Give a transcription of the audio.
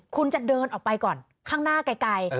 คุณจะเดินออกไปก่อนข้างหน้าไกล